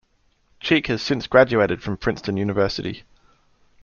Cheek has since graduated from Princeton University.